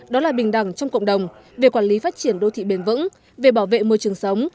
đó là bình đẳng trong cộng đồng về quản lý phát triển đô thị bền vững về bảo vệ môi trường sống